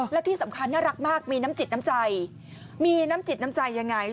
และที่สำคัญน่ารักมากมีน้ำจิตน้ำใจมีน้ำจิตน้ำใจยังไง